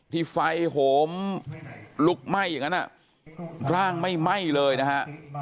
ที่ไฟโหมลุกไหม้อย่างนั้นร่างไม่ไหม้เลยนะฮะ